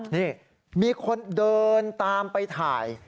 นี่มีคนเดินตามไปถ่าย